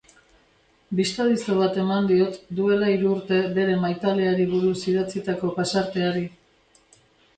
Bistadizo bat eman diot duela hiru urte bere maitaleari buruz idatzitako pasarteari.